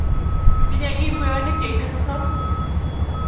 tinyei Kim kweyonik cheite sosom